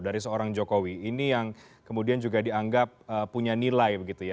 dari seorang jokowi ini yang kemudian juga dianggap punya nilai begitu ya